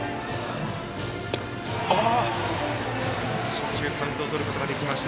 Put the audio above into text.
初球、カウントをとることができました。